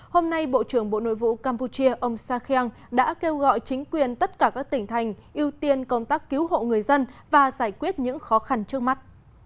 hôm nay bộ trưởng bộ nội vụ campuchia ông sakeng đã kêu gọi chính quyền tất cả các tỉnh thành ưu tiên công tác cứu hộ người dân và giải quyết những khó khăn trước mắt